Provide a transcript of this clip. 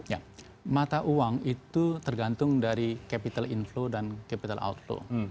ya mata uang itu tergantung dari capital inflow dan capital outflow